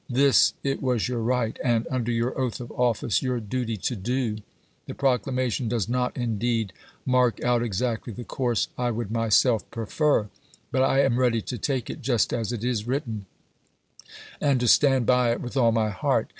This it was your right, and, under your oath of office, your duty to do. The proclama tion does not, indeed, mark out exactly the course I would myself prefer. But I am ready to take it just as it is written, and to stand by it with all my heart.